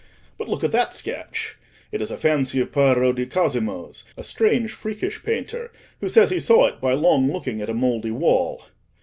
But look at that sketch: it is a fancy of Piero di Cosimo's, a strange freakish painter, who says he saw it by long looking at a mouldy wall."